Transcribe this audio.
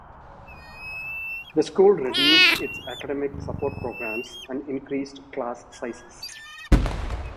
The school reduced its academic support programs and increased class sizes.